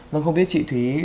vâng không biết chị thúy